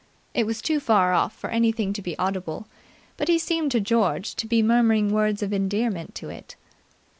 It was too far off for anything to be audible, but he seemed to George to be murmuring words of endearment to it.